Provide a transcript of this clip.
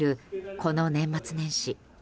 この年末年始。